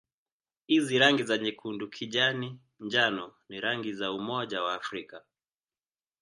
Hizi rangi za nyekundu-kijani-njano ni rangi za Umoja wa Afrika.